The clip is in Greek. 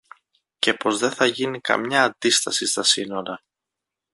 και πως δε θα γίνει καμιά αντίσταση στα σύνορα.